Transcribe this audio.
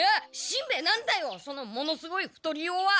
しんベヱなんだよそのものすごい太りようは！